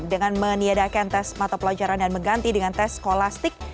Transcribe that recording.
dengan meniadakan tes mata pelajaran dan mengganti dengan tes kolastik